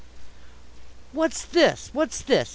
QUAD "What's this! What's this!"